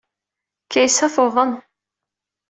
Kaysa tuḍen.